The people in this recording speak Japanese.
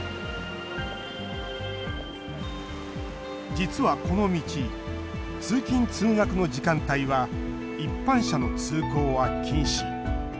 実は、この道通勤・通学の時間帯は一般車の通行は禁止。